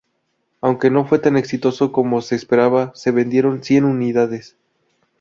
Aunque no fue tan exitoso como se esperaba, se vendieron cien unidades.